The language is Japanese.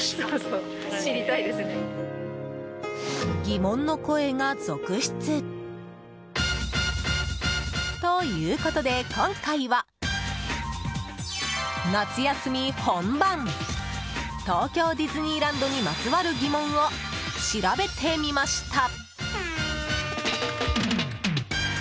疑問の声が続出！ということで今回は、夏休み本番東京ディズニーランドにまつわる疑問を調べてみました。